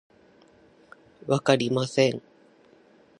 わかりません